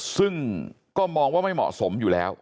ซึ่งก็มองว่าไม่เหมาะสมอยู่แล้ว